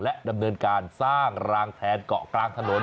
ดำเนินการสร้างรางแทนเกาะกลางถนน